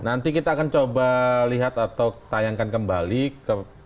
nanti kita akan coba lihat atau tayangkan kembali ke